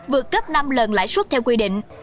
vượt gấp năm lần lãi suất theo quy định